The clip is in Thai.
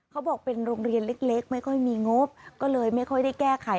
เขาบอกเป็นโรงเรียนเล็กไม่ค่อยมีงบก็เลยไม่ค่อยได้แก้ไข